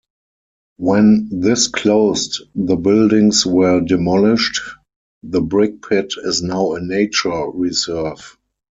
When this closed the buildings were demolished; the brickpit is now a nature reserve.